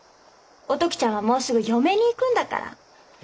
お時ちゃんはもうすぐ嫁に行くんだから。